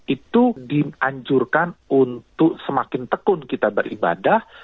itu dianjurkan untuk semakin tekun kita beribadah